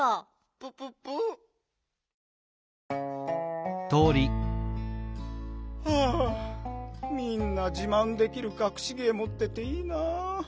プププ？はあみんなじまんできるかくし芸もってていいなあ。